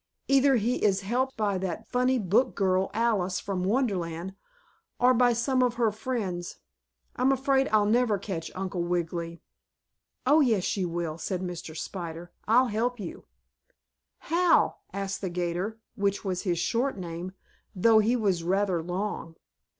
Either he is helped by that funny book girl, Alice from Wonderland, or by some of her friends. I'm afraid I'll never catch Uncle Wiggily." "Oh, yes, you will," said Mr. Spider. "I'll help you." "How?" asked the 'gator, which was his short name, though he was rather long.